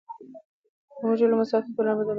که موږ علم وساتو، ټولنه به د نوښت لامل سي.